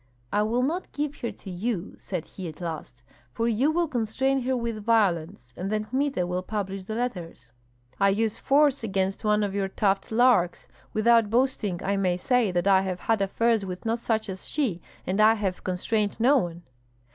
"I will not give her to you," said he at last, "for you will constrain her with violence, and then Kmita will publish the letters." "I use force against one of your tufted larks! Without boasting I may say that I have had affairs with not such as she, and I have constrained no one.